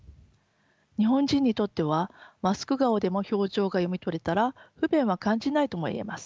日本人にとってはマスク顔でも表情が読み取れたら不便は感じないともいえます。